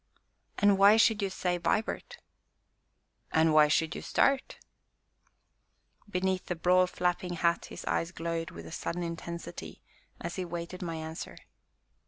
"And why should you say 'Vibart'?" "And why should you start?" Beneath the broad, flapping hat his eyes glowed with a sudden intensity as he waited my answer.